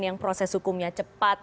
yang proses hukumnya cepat